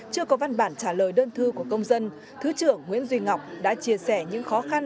chưa có văn bản trả lời đơn thư của công dân thứ trưởng nguyễn duy ngọc đã chia sẻ những khó khăn